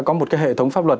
có một cái hệ thống pháp luật